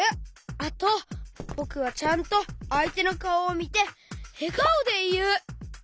あとぼくはちゃんとあいてのかおをみてえがおでいう！